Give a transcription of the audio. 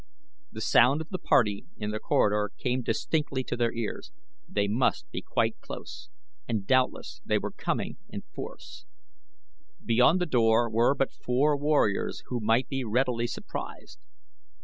The sound of the party in the corridor came distinctly to their ears they must be quite close, and doubtless they were coming in force. Beyond the door were but four warriors who might be readily surprised.